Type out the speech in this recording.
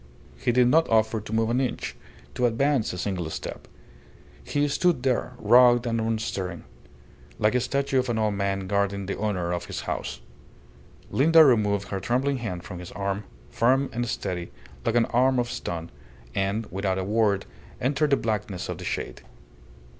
He did not offer to move an inch, to advance a single step. He stood there, rugged and unstirring, like a statue of an old man guarding the honour of his house. Linda removed her trembling hand from his arm, firm and steady like an arm of stone, and, without a word, entered the blackness of the shade.